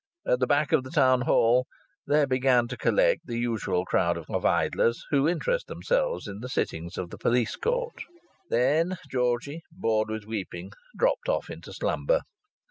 At the back of the Town Hall there began to collect the usual crowd of idlers who interest themselves in the sittings of the police court. Then Georgie, bored with weeping, dropped off into slumber.